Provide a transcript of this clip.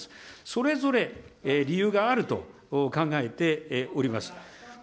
それぞれ理由があると考えております。